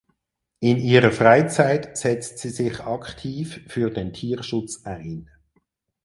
In ihrer Freizeit setzt sie sich aktiv für den Tierschutz ein.